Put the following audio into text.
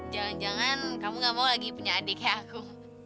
jangan jangan kamu nggak mau lagi punya adik kayak aku